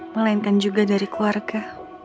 melainkan juga dari keluarga